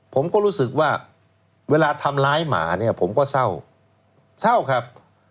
ผมก็รู้สึกว่าเวลาทำร้ายหมาเนี่ยผมก็เศร้าเศร้าครับ